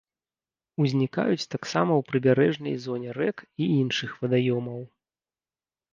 Узнікаюць таксама ў прыбярэжнай зоне рэк і іншых вадаёмаў.